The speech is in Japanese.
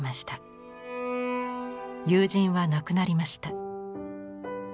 友人は亡くなりました。